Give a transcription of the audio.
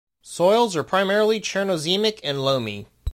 Soils are primarily Chernozemic and loamy.